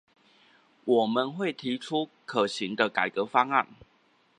我們會提出可行的改革方案